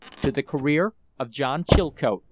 "To the career of John Chilcote!"